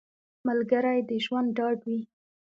ملګری د ژوند ډاډ وي